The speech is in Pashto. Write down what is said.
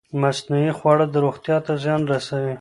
مصنوعي خواړه روغتیا ته زیان رسوي.